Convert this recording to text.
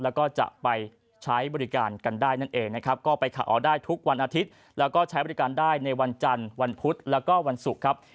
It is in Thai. แล้วก็จะไปใช้บริการกันได้นั่นเองนะครับก็ไปขาออกได้ทุกวันอาทิตย์แล้วก็ใช้บริการได้ในวันจันทร์วันพุธแล้วก็วันศุกร์ครับ